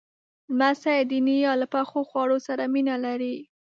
لمسی د نیا له پخو خواړو سره مینه لري.